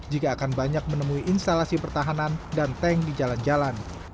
jika akan banyak menemui instalasi pertahanan dan tank di jalan jalan